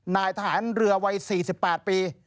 นายทหารเรือวัย๔๘ปี